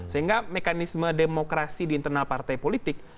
sehingga mekanisme demokrasi di internal partai politik